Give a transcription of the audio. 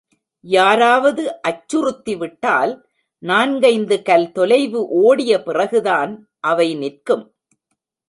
யாராவது அச்சுறுத்திவிட்டால், நான்கைந்து கல் தொலைவு ஓடிய பிறகுதான் அவை நிற்கும்.